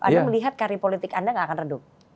anda melihat karir politik anda nggak akan redup